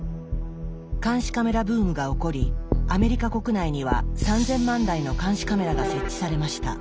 監視カメラブームが起こりアメリカ国内には３０００万台の監視カメラが設置されました。